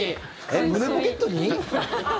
胸ポケットに？